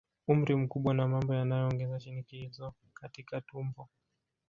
Umri mkubwa na mambo yanayoongeza shinikizo katika tumbo